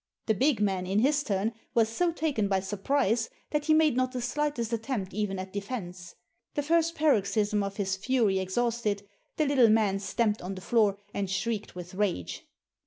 The big man, in his turn, was so taken by surprise that he made not the slightest attempt even at defence. The first paroxysm of his fury exhausted, the little man stamped on the floor and shrieked with rage.